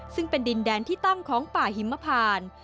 ซึ่งเป็นดินแดนที่ตั้งของป่าหิมพาน